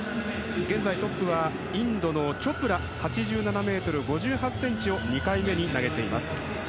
現在、トップはインドのチョプラ８７ｍ５８ｃｍを２回目に投げています。